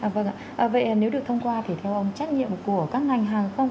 vâng ạ vậy nếu được thông qua thì theo ông trách nhiệm của các ngành hàng không